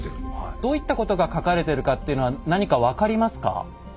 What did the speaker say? どういったことが書かれてるかというのは何か分かりますか？